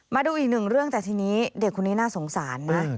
มาดูอีกหนึ่งเรื่องแต่ทีนี้เด็กคนนี้น่าสงสารนะ